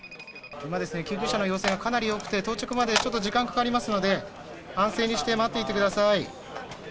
今、救急車の要請がかなり多くて、到着までかなり時間かかりますので、安静にして待っていてください。